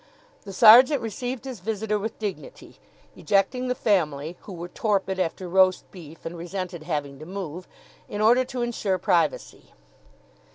The sergeant received his visitor with dignity, ejecting the family, who were torpid after roast beef and resented having to move, in order to ensure privacy.